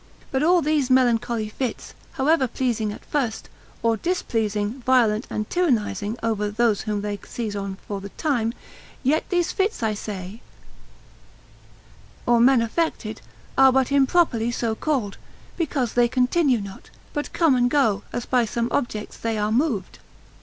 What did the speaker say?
But all these melancholy fits, howsoever pleasing at first, or displeasing, violent and tyrannizing over those whom they seize on for the time; yet these fits I say, or men affected, are but improperly so called, because they continue not, but come and go, as by some objects they aye moved.